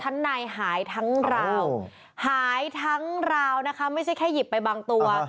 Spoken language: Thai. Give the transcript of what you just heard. ชั้นในหายทั้งราวหายทั้งราวนะคะไม่ใช่แค่หยิบไปบางตัว